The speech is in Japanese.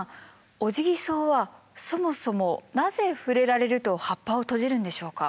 オジギソウはそもそもなぜ触れられると葉っぱを閉じるんでしょうか？